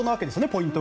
ポイント